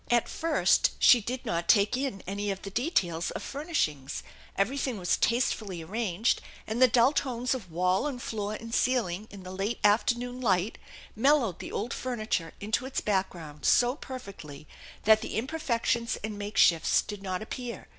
At first she did not take in any of the details of furnish ings. Everything was tastefully arranged, and the dull tones of wall and floor and ceiling in the late afternoon light mel lowed the old furniture into its background so perfectly that the imperfections and make shifts did not appear.